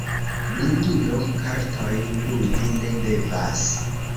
Blindulo kartojn ludi ne devas.